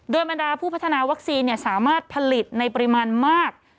โดยบรรดาผู้พัฒนาวัคซีนสามารถผลิตในปริมาณมาก